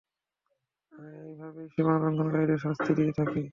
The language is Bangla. আমরা এভাবেই সীমালংঘনকারীদের শাস্তি দিয়ে থাকি।